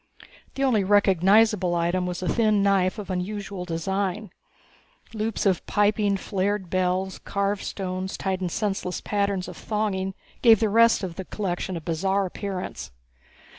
The only recognizable item was a thin knife of unusual design. Loops of piping, flared bells, carved stones tied in senseless patterns of thonging gave the rest of the collection a bizarre appearance.